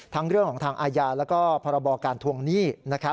เรื่องของทางอาญาแล้วก็พรบการทวงหนี้